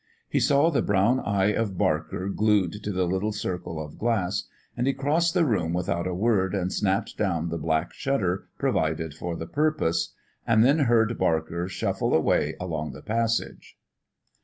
He saw the brown eye of Barker glued to the little circle of glass, and he crossed the room without a word and snapped down the black shutter provided for the purpose, and then heard Barker shuffle away along the passage.